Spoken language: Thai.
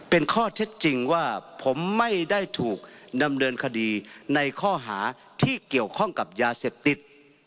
เป็นข้อเท็จจริงว่าผมไม่ได้ถูกดำเนินคดีในข้อหาที่เกี่ยวข้องกับยาเสพติด